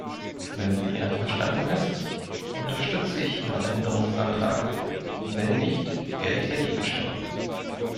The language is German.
Wenn sie einverstanden ist, unterstütze ich ihren Änderungsantrag, wenn nicht, werde ich dagegen stimmen.